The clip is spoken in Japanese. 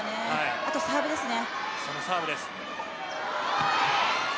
あとはサーブですね。